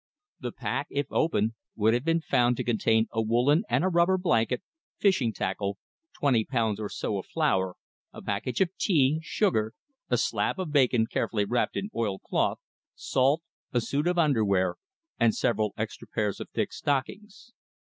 The pack, if opened, would have been found to contain a woolen and a rubber blanket, fishing tackle, twenty pounds or so of flour, a package of tea, sugar, a slab of bacon carefully wrapped in oiled cloth, salt, a suit of underwear, and several extra pairs of thick stockings.